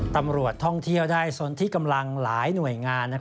ตำรวจท่องเที่ยวได้สนที่กำลังหลายหน่วยงาน